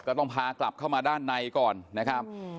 ก็ต้องพากลับเข้ามาด้านในก่อนนะครับ